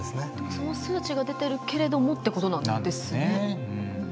その数値が出ているけどっていうことですね。